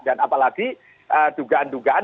dan apalagi dugaan dugaan